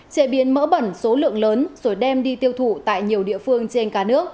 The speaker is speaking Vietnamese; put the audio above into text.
chế biến mỡ bẩn số lượng lớn rồi đem đi tiêu thụ tại nhiều địa phương trên cả nước